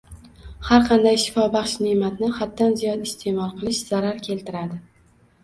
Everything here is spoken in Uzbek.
Har qanday shifobaxsh ne’matni haddan ziyod iste’mol qilish zarar keltiradi.